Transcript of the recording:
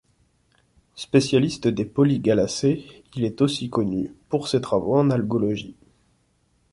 Spécialiste des Polygalaceae, il est aussi connu pour ses travaux en algologie.